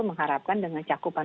mengharapkan dengan cakupan